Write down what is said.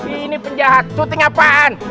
ini penjahat syuting apaan